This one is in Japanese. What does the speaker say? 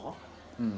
うん。